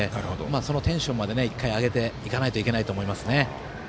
そのテンションまで１回上げていかないといけないですね。